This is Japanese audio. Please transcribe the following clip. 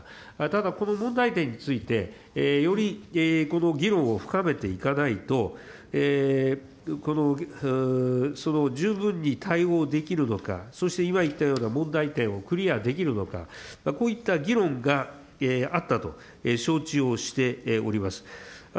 ただ、この問題点について、よりこの議論を深めていかないと、この、十分に対応できるのか、そして今言ったような問題点をクリアできるのか、こういった議論があったと承知をしております。